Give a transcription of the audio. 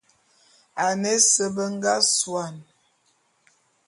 Ane ese be nga suane.